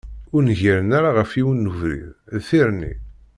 Ur ngiren ara ɣef yiwen n ubrid, d tirni.